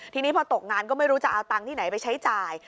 ทีนี้พอตกงานก็ไม่รู้จะเอาตังค์ที่ไหนไปใช้จ่าย